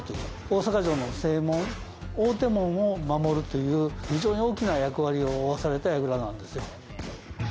大阪城の正門大手門を守るという非常に大きな役割を負わされた櫓なんですよ。